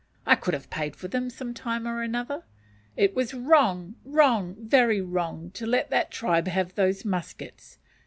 I could have paid for them some time or another. It was wrong, wrong, very wrong, to let that tribe have those muskets.